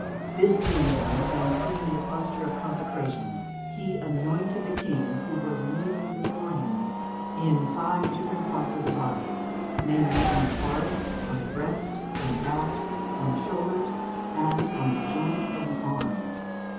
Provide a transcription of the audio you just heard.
This being done, and sitting in the posture of consecration, he anointed the King, who was kneeling before him, in five different parts of the body, namely, on the forehead, on the breast, on the back, on the shoulders, and on the joints of the arms.